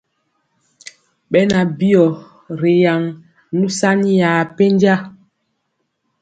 Beŋan byigɔ ri yaŋ nusani ya pɛnja.